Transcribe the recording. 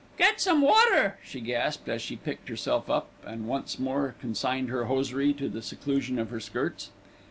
"Get some water," she gasped, as she picked herself up and once more consigned her hosiery to the seclusion of her skirts.